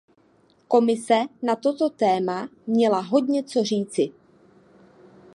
Komise na toto téma měla hodně co říci.